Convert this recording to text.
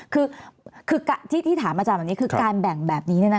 คือที่ถามอาจารย์แบบนี้คือการแบ่งแบบนี้